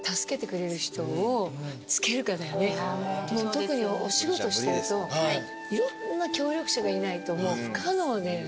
特にお仕事してるといろんな協力者がいないともう不可能だよね。